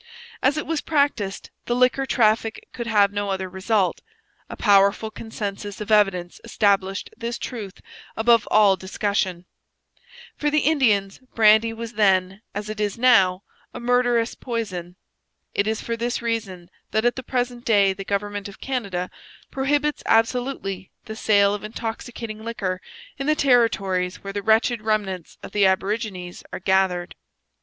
As it was practised, the liquor traffic could have no other result. A powerful consensus of evidence established this truth above all discussion. For the Indians brandy was then, as it is now, a murderous poison. It is for this reason that at the present day the government of Canada prohibits absolutely the sale of intoxicating liquor in the territories where the wretched remnants of the aborigines are gathered.